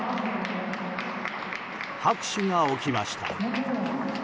拍手が起きました。